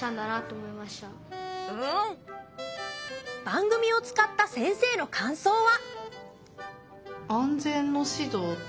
番組を使った先生の感想は。